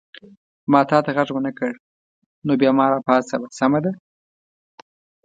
ما تا ته غږ ونه کړ نو بیا ما را پاڅوه، سمه ده؟